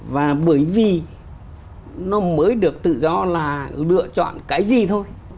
và bởi vì nó mới được tự do là lựa chọn cái gì thôi